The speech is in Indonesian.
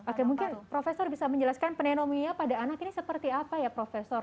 oke mungkin profesor bisa menjelaskan pneumonia pada anak ini seperti apa ya profesor